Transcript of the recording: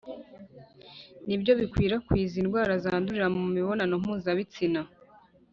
ni byo bikwirakwiza indwara zandurira mu mibonano mpuzabitsina.